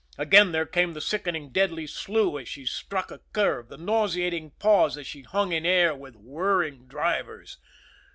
Again there came the sickening, deadly slew as she struck a curve, the nauseating pause as she hung in air with whirring drivers.